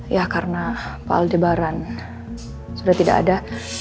ya karena pak aldebaran sudah tidak ada